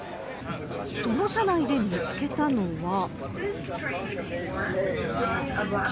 その車内で見つけたのは。